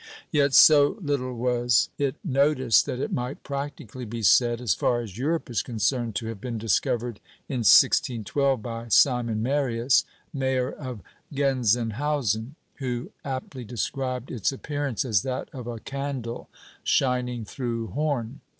Yet so little was it noticed that it might practically be said as far as Europe is concerned to have been discovered in 1612 by Simon Marius (Mayer of Genzenhausen), who aptly described its appearance as that of a "candle shining through horn."